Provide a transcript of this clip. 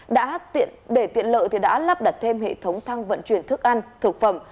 đã để tiện lợi thì đã lắp đặt thêm hệ thống thang vận chuyển thức ăn thực phẩm